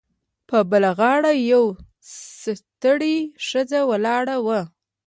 په بله غاړه یوه ستړې ښځه ولاړه وه